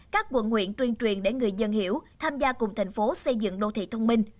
các quận huyện tuyên truyền để người dân hiểu tham gia cùng thành phố xây dựng đô thị thông minh